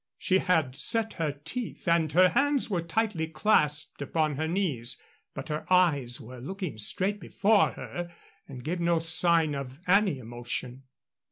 She had set her teeth, and her hands were tightly clasped upon her knees, but her eyes were looking straight before her and gave no sign of any emotion.